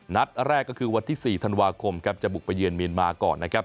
นัดแรกก็คือวันที่๔ธันวาคมครับจะบุกไปเยือนเมียนมาก่อนนะครับ